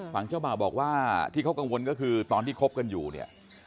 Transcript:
ฝั่งเจ้าบ่าวบอกว่าที่เขากังวลก็คือตอนที่คบกันอยู่เนี่ย